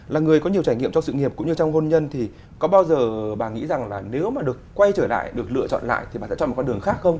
là người có nhiều trải nghiệm cho sự nghiệp cũng như trong hôn nhân thì có bao giờ bà nghĩ rằng là nếu mà được quay trở lại được lựa chọn lại thì bạn sẽ chọn một con đường khác không